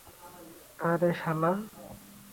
আরে, শালা!